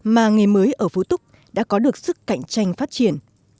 mà nghề mới ở phú túc đã có được sức cạnh tranh phát triển